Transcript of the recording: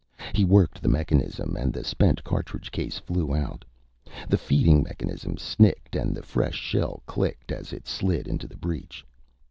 He worked the mechanism and the spent cartridge case flew out. The feeding mechanism snicked and the fresh shell clicked as it slid into the breech.